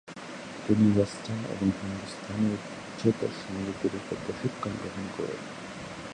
তিনি ওয়েস্টার্ন এবং হিন্দুস্তানি উচ্চতর সঙ্গীতের উপর প্রশিক্ষণ গ্রহণ করেন।